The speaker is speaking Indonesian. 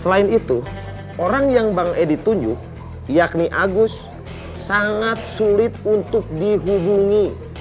selain itu orang yang bang edi tunjuk yakni agus sangat sulit untuk dihubungi